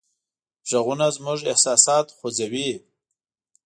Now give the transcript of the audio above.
غږونه زموږ احساسات خوځوي.